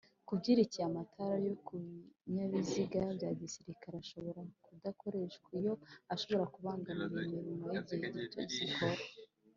Kubyerekeye amatara yo kubinyabiziga byagisirikare ashobora kudakoreshwa iyo ashobora kubangamira imirimo y’igihe gito zikora